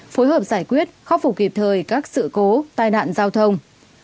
phối hợp giải quyết khắc phục kịp thời các sự cố tai nạn giao thông